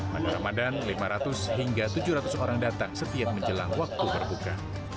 pada ramadan lima ratus hingga tujuh ratus orang datang setiap menjelang waktu berbuka